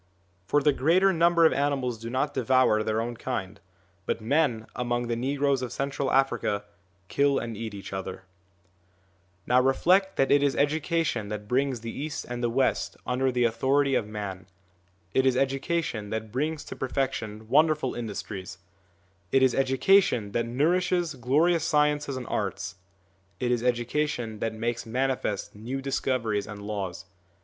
For the greater number of animals do not devour their own kind, but men, among the negroes of Central Africa, kill and eat each other. ON THE INFLUENCE OF THE PROPHETS 9 Now reflect that it is education that brings the East and the West under the authority of man ; it is educa tion that brings to perfection wonderful industries ; it is education that nourishes glorious sciences and arts ; it is education that makes manifest new discoveries and laws.